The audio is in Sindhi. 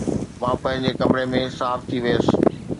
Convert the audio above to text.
مان پنهنجي ڪمري ۾ صاف ٿي ويس